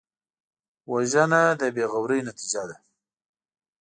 وژنه د بېغورۍ نتیجه ده